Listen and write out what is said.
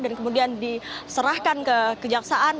dan kemudian diserahkan ke kejaksaan